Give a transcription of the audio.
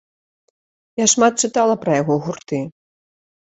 Я шмат чытала пра яго гурты.